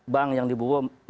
bank yang dibubuh